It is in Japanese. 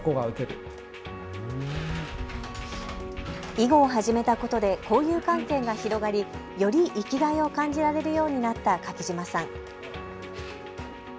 囲碁を始めたことで交友関係が広がり、より生きがいを感じられるようになった柿島さん。